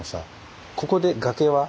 ここで崖は？